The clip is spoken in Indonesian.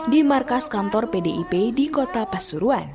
di markas kantor pdip di kota pasuruan